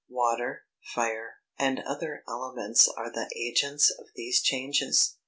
Water, fire, and other elements are the agents of these changes.